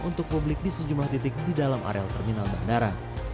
untuk publik di sejumlah titik di dalam areal terminal bandara